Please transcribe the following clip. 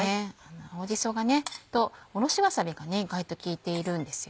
青じそとおろしわさびが意外と利いているんですよ。